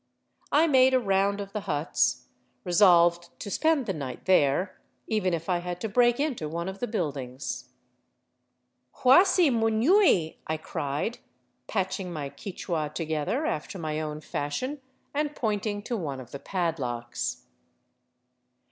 I made a round of the huts, resolved to spend the night there, even if I had to break into one of the build ings. " Huasi muiiuy !" I cried, patching my Quichua together after my own fashion, and pointing to one of the padlocks.